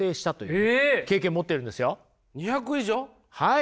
はい。